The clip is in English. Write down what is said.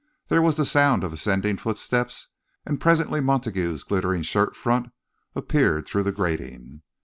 There was the sound of ascending footsteps, and presently Montague's glittering shirt front appeared through the grating.